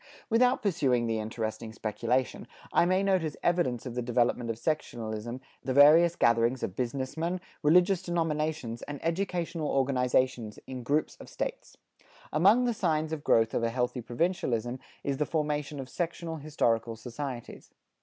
Without pursuing the interesting speculation, I may note as evidence of the development of sectionalism, the various gatherings of business men, religious denominations and educational organizations in groups of States. Among the signs of growth of a healthy provincialism is the formation of sectional historical societies.